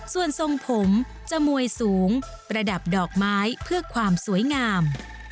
ส่วนทรงผมจะมวยสูงประดับดอกไม้เพื่อความสวยงาม